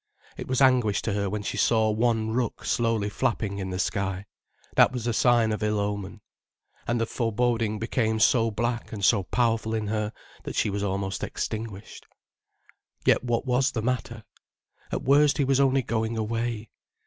It was anguish to her when she saw one rook slowly flapping in the sky. That was a sign of ill omen. And the foreboding became so black and so powerful in her, that she was almost extinguished. Yet what was the matter? At the worst he was only going away.